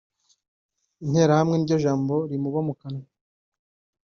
Interahamwe niryo jambo rimuba mu kanwa